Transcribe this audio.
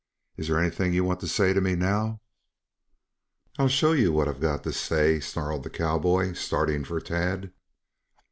Is there anything you want to say to me now?" "I'll show you what I've got to say," snarled the cowboy, starting for Tad.